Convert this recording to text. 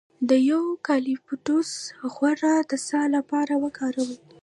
د یوکالیپټوس غوړي د ساه لپاره وکاروئ